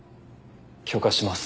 許可します。